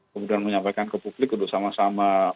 kemudian menyampaikan ke publik untuk sama sama